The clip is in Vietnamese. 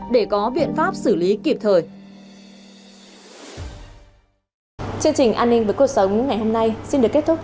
để có biện pháp xử lý kịp thời